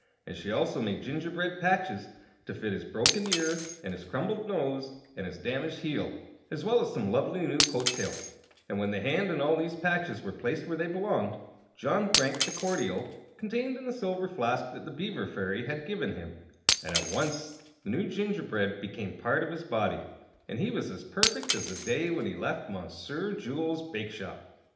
Also she made gingerbread patches to fit his broken ear and his crumbled nose and his damaged heel, as well as some lovely new coattails; and when the hand and all these patches were placed where they belonged, John drank the cordial contained in the silver flask that the Beaver Fairy had given him, and at once the new gingerbread became a part of his body, and he was as perfect as the day he had left Monsieur Jules' bake shop.